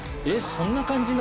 そんな感じに。